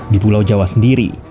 di pulau jawa sendiri